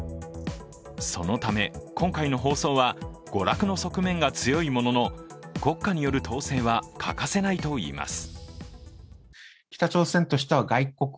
そのため、今回の放送は娯楽の側面が強いものの国家による統制は欠かせないといいます。